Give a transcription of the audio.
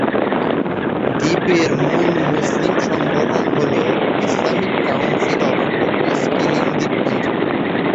দ্বীপের মূল মুসলিম সংগঠন হলো Islamic council of Cocos Keeling দ্বীপপুঞ্জ।